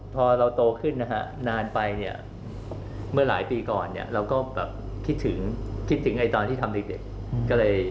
พอเราโตขึ้นนานไปเมื่อหลายปีก่อนเราก็คิดถึงตอนที่ทำเด็ก